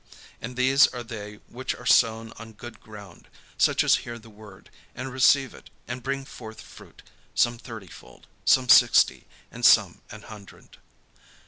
And these are they which are sown on good ground; such as hear the word, and receive it, and bring forth fruit, some thirtyfold, some sixty, and some an hundred."